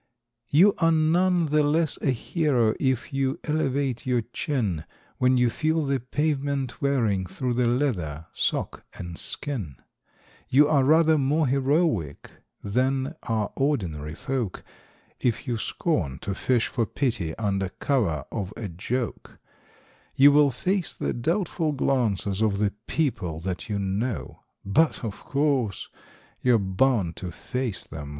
You are none the less a hero if you elevate your chin When you feel the pavement wearing through the leather, sock and skin; You are rather more heroic than are ordinary folk If you scorn to fish for pity under cover of a joke; You will face the doubtful glances of the people that you know ; But of course, you're bound to face them when your pants begin to go.